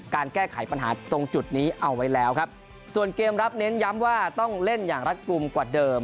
การแก้ไขปัญหาตรงจุดนี้เอาไว้แล้วครับส่วนเกมรับเน้นย้ำว่าต้องเล่นอย่างรัฐกลุ่มกว่าเดิม